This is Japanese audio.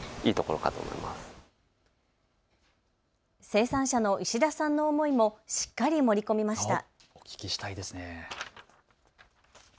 生産者の石田さんの思いもしっかり盛り込みました。